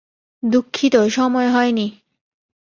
দুঃখিত সময় হয়নি।